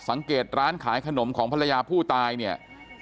สังเกตร้านขายขนมของภรรยาผู้ตายเนี่ย